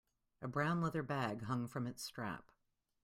A brown leather bag hung from its strap.